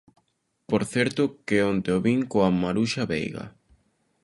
–Por certo, que onte o vin coa Maruxa Veiga.